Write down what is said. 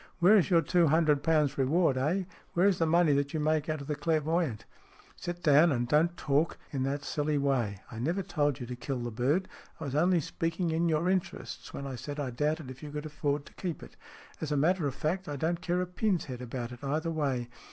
Where is your two hundred pounds reward, eh ? Where is the money that you make out of the clairvoyant ?"" Sit down, and don't talk in that silly way. I never told you to kill the bird. I was only speaking in your interests when I said I doubted if you could afford to keep it. As a matter of fact, I don't care a pin's head about it either way.